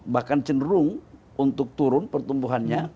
bahkan cenderung untuk turun pertumbuhannya